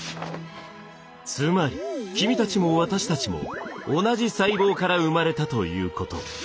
つまり君たちも私たちも同じ細胞から生まれたということ。